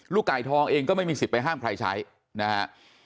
ไก่ทองเองก็ไม่มีสิทธิ์ไปห้ามใครใช้นะฮะ